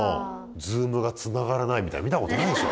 Ｚｏｏｍがつながらないみたいなの見た事ないでしょ。